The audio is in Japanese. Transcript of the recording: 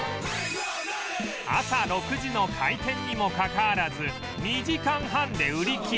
朝６時の開店にもかかわらず２時間半で売り切れ